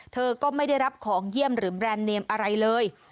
เธอก็ไม่ได้รับของเยี่ยมหรือแบรนด์เนมอะไรเลย